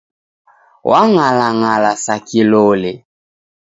Wang'alang'ala sa kilole.